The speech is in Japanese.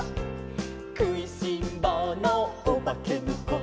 「くいしんぼうのおばけのこ」